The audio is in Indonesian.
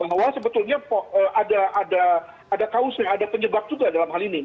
bahwa sebetulnya ada kaosnya ada penyebab juga dalam hal ini